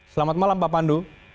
selamat malam pak pandu